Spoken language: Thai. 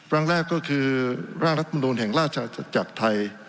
ร่างแรกก็คือร่างรัฐมนุนแห่งราชอาจักรไทย